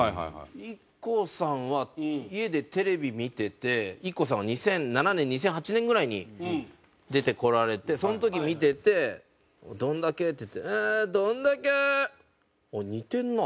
ＩＫＫＯさんは家でテレビ見ててＩＫＫＯさんは２００７年２００８年ぐらいに出てこられてその時見てて「どんだけ」って言って「どんだけ」。あっ似てるなと思って。